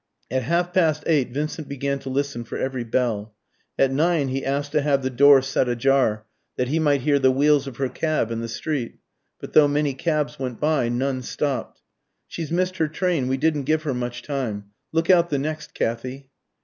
At half past eight Vincent began to listen for every bell. At nine he asked to have the door set ajar, that he might hear the wheels of her cab in the street. But though many cabs went by, none stopped. "She's missed her train. We didn't give her much time. Look out the next, Kathy."